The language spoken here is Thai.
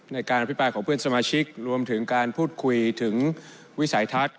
ในการอภิปรายของเพื่อนสมาชิกรวมถึงการพูดคุยถึงวิสัยทัศน์